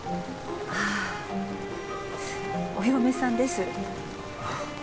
ああお嫁さんです